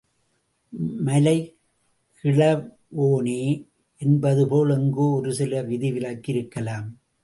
மலை கிழ வோனே என்பதுபோல் எங்கோ ஒருசில விதிவிலக்கு இருக்கலாம்.